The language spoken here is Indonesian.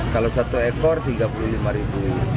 kalau satu ekor rp tiga puluh lima